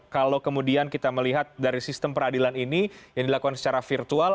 kalau kemudian kita melihat dari sistem peradilan ini yang dilakukan secara virtual